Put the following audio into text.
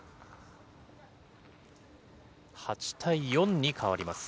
８対４に変わります。